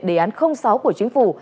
đề án sáu của chính phủ